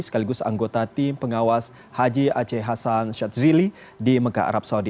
sekaligus anggota tim pengawas haji aceh hasan syadzili di mekah arab saudi